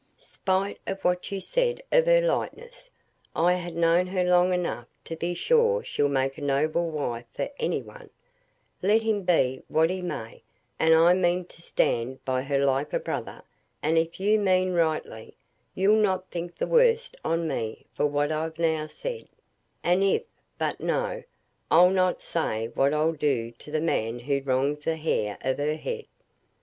Spite of what you said of her lightness, I ha' known her long enough to be sure she'll make a noble wife for any one, let him be what he may; and I mean to stand by her like a brother; and if you mean rightly, you'll not think the worse on me for what I've now said; and if but no, I'll not say what I'll do to the man who wrongs a hair of her head.